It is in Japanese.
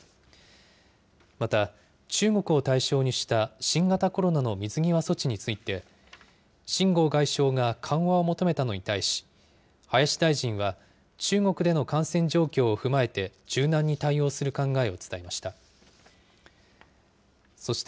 また、中国を対象にした新型コロナの水際措置について、秦剛外相が緩和を求めたのに対し、林大臣は、中国での感染状況を踏まえて、柔軟に対応する考えを伝えました。